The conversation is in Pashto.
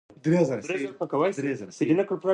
زمری له غاره راووته.